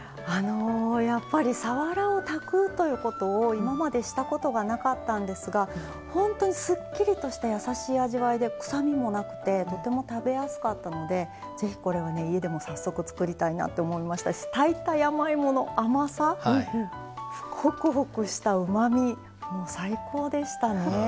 やっぱりさわらを炊くということを今までしたことなかったんですが本当にすっきりとしたやさしい味わいで、臭みもなくとても食べやすかったのでぜひこれは家でも早速作りたいなって思いましたし炊いた山芋の甘さほくほくしたうまみもう、最高でしたね。